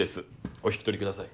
お引き取りください。